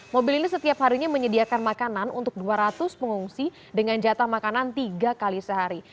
mobil ini setiap harinya menyediakan makanan untuk dua ratus pengungsi dengan jatah makanan tiga kali sehari